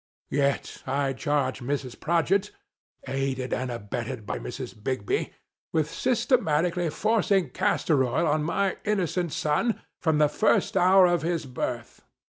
Yet, I charge Mrs. Prodgit (aided and abetted by Mrs. Bigby) with systematically forcing Castor Oil on my innocent son, from the first hour of his birth.